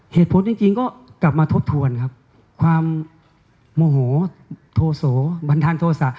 เหตุผลจริงก็กลับมาทบทวนครับความโมโหโทโสบันดาลโทษะ